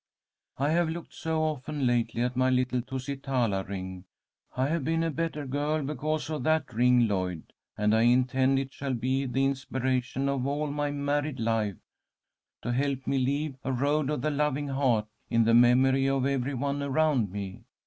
"'I have looked so often lately at my little Tusitala ring. I have been a better girl because of that ring, Lloyd, and I intend it shall be the inspiration of all my married life, to help me leave a road of the loving heart in the memory of every one around me.